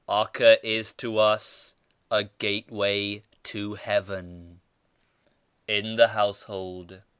Acca is to us a gate way of Heaven. 70 IN THE HOUSEHOLD.